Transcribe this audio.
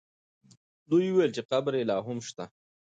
دوی وویل چې قبر یې لا هم شته.